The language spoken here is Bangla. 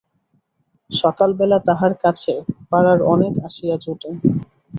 সকাল বেলা তাহার কাছে পাড়ার অনেকে আসিয়া জোটে।